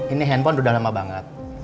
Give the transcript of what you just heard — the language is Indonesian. ini handphone udah lama banget